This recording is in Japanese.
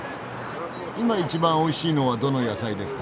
今一番おいしいのはどの野菜ですか？